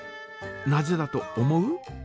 なぜだと思う？